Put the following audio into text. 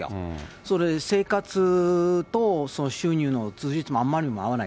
それで生活と収入のつじつまがあんまりにも合わない。